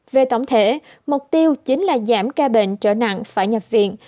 về tổng thể mục tiêu chính là giảm ca bệnh trở nặng phải nhập viện